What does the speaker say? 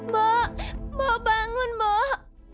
mbok mbok bangun mbok